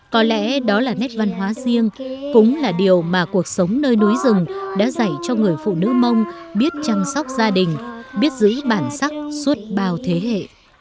có lẽ đó là nét văn hóa riêng cũng là điều mà cuộc sống nơi núi rừng đã dạy cho người phụ nữ mông biết chăm sóc gia đình biết giữ bản sắc suốt bao thế hệ